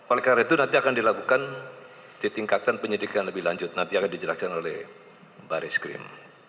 oleh karena itu nanti akan dilakukan ditingkatkan penyidikan lebih lanjut nanti akan dijelaskan oleh baris krim